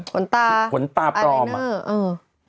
ขนตาอายลายเนอร์